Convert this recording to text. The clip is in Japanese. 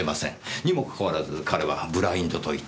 にもかかわらず彼はブラインドと言った。